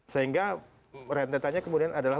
sehingga rentetannya kemudian adalah